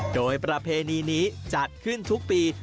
โดยประเพณีนี้จัดขึ้นทุกปี